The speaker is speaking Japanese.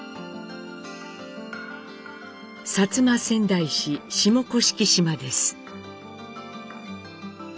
薩摩川内市下甑島です。